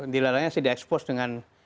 di lalanya sih di ekspos dengan